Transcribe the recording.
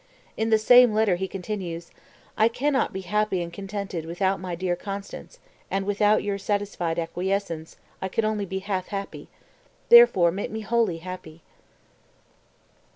In the same letter he continues: "I can not be happy and contented without my dear Constanze, and without your satisfied acquiescence, I could only be half happy. Therefore, make me wholly happy.")